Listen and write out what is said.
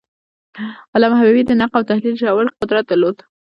علامه حبیبي د نقد او تحلیل ژور قدرت درلود.